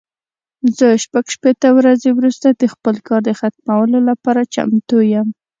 زه شپږ شپېته ورځې وروسته د خپل کار د ختمولو لپاره چمتو یم.